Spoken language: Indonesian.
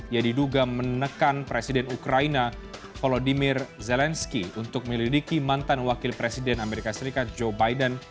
ia diduga menekan presiden ukraina volodymyr zelensky untuk menyelidiki mantan wakil presiden amerika serikat joe biden